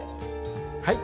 はい。